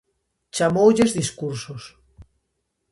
Chamoulles discursos.